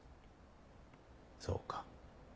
そうか。